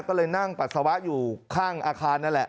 ก็เลยนั่งปัสสาวะอยู่ข้างอาคารนั่นแหละ